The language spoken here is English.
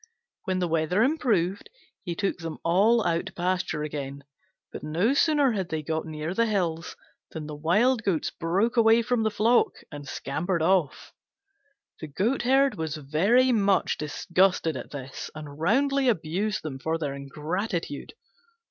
When the weather improved, he took them all out to pasture again; but no sooner had they got near the hills than the Wild Goats broke away from the flock and scampered off. The Goatherd was very much disgusted at this, and roundly abused them for their ingratitude.